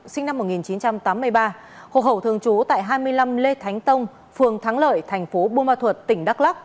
sinh năm một nghìn chín trăm tám mươi ba hộ khẩu thường trú tại hai mươi năm lê thánh tông phường thắng lợi thành phố bùa ma thuật tỉnh đắk lắc